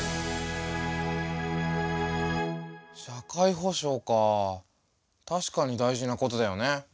社会保障か確かに大事なことだよね。